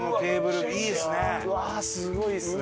うわすごいいいっすね。